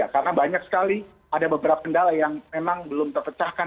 karena banyak sekali ada beberapa kendala yang memang belum terpecahkan